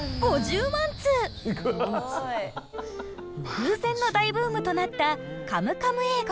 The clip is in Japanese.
空前の大ブームとなったカムカム英語。